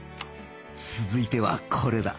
続いてはこれだ